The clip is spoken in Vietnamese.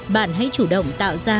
bạn hãy chủ động tạo ra